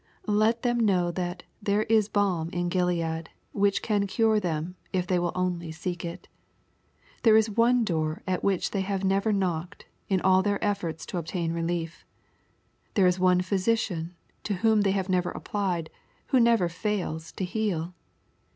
Let them know that " there is balm in Gilead," which can cure them, if they will only seek it. There is one door at which they have never knocked, in all their efforts to obtain relief There is one Physician to whom they have not applied, who never fails to heal.